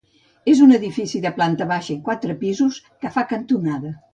És un edifici de planta baixa i quatre pisos que fa cantonada.